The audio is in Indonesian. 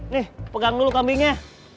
nih pegang dulu kambingnya